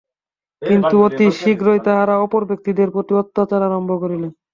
কিন্তু অতি শীঘ্রই তাঁহারা অপর ব্যক্তিদের প্রতি অত্যাচার আরম্ভ করিলেন।